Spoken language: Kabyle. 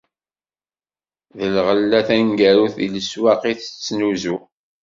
D lɣella taneggarut di leswaq i tettnuzu.